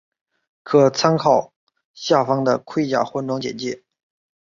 可参考下方的盔甲换装简介。